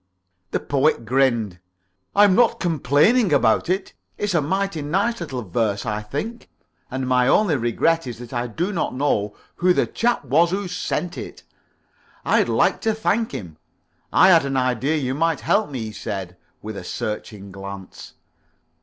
'" The Poet grinned. "I'm not complaining about it. It's a mighty nice little verse, I think, and my only regret is that I do not know who the chap was who sent it. I'd like to thank him. I had an idea you might help me," he said, with a searching glance.